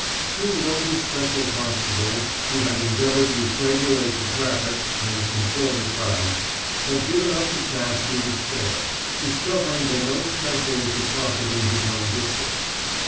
Two local special constables, who had endeavoured to "regulate the traffic" and control the crowds, had given up the task in despair, discovering that no special is a prophet in his own district.